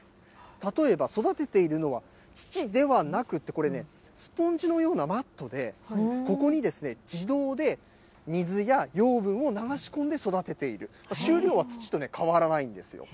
例えば育てているのは土ではなくて、これね、スポンジのようなマットで、ここに自動で水や養分を流し込んで育てている、収量は土と変わらないんですよ。